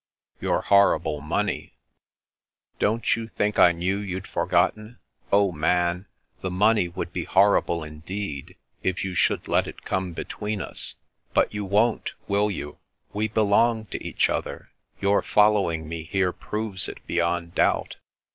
" Your horrible money." " Don't you think I loiew you'd forgotten ? Oh, Man, the money would be horrible indeed, if you should let it come between us, but you won't, will you? We belong to each other; your following me here proves it beyond doubt.